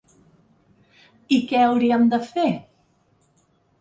I què hauríem de fer?